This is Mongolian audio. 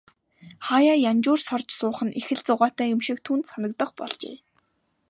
Хааяа янжуур сорж суух нь их л зугаатай юм шиг түүнд санагдах болжээ.